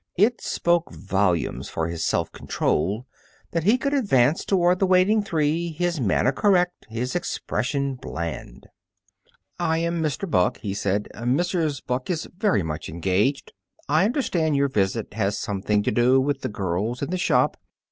It spoke volumes for his self control that he could advance toward the waiting three, his manner correct, his expression bland. "I am Mr. Buck," he said. "Mrs. Buck is very much engaged. I understand your visit has something to do with the girls in the shop.